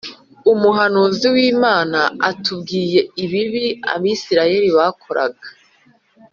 umuhanuzi w Imana atubwira ibibi Abisirayeli bakoraga